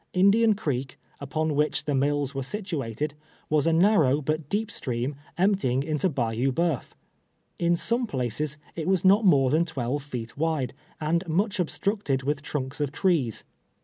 Indian Creek, upon which the mills were situated, was a narrow but deep stream emptying into Bayou Boeuf. In some places it was not more than twelve feet wide, and much obstructed with truid\ sof trees.